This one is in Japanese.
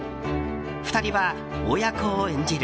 ２人は親子を演じる。